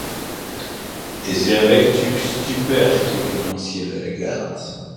Et c’est avec stupeur que le grand ciel regarde